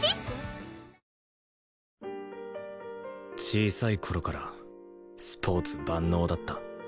小さい頃からスポーツ万能だった